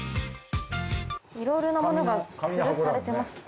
いろいろなものが吊るされてますね。